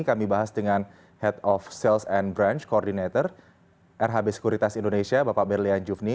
kami bahas dengan head of sales and branch coordinator rhb sekuritas indonesia bapak berlian jufni